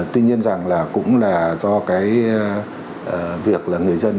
tuy nhiên rằng là cũng là do cái việc là người dân